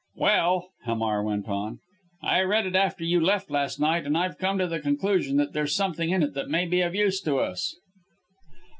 "Well," Hamar went on. "I read it after you left last night, and I've come to the conclusion that there's something in it that may be of use to us."